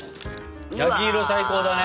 焼き色最高だね。